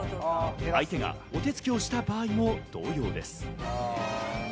相手がお手つきをした場合も同様です。